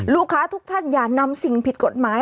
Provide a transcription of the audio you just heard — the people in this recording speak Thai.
ทุกท่านอย่านำสิ่งผิดกฎหมาย